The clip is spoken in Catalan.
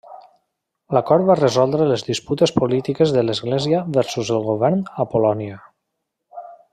L'acord va resoldre les disputes polítiques de l'Església versus el govern a Polònia.